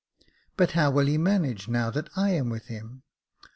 " But how will he manage now that I am with him